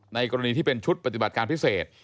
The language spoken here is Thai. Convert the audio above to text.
กรณีที่เป็นชุดปฏิบัติการพิเศษ